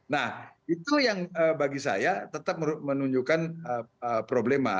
nah itu yang bagi saya tetap menunjukkan problema